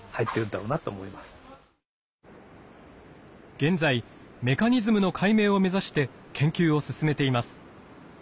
現在メカニズムの解明を目指して研究を進めています。